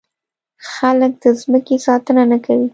خلک د ځمکې ساتنه نه کوي.